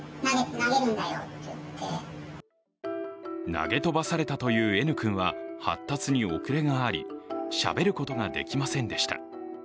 投げ飛ばされたというＮ君は発達に遅れがあり、しゃべることができませんでした。